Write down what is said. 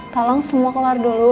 tolong semua kelar dulu